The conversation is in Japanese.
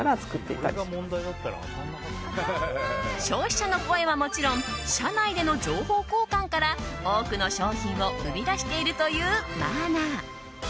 消費者の声はもちろん社内での情報交換から多くの商品を生み出しているというマーナ。